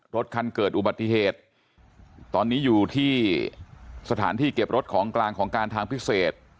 รถคันเกิดอุบัติเหตุตอนนี้อยู่ที่สถานที่เก็บรถของกลางของการทางพิเศษ